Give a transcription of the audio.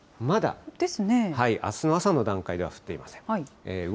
まだ、あすの朝の段階は降っていません。